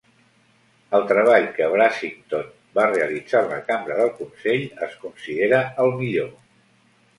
El treball que Brassington va realitzar en la cambra del consell es considera el millor.